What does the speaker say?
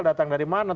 datang dari mana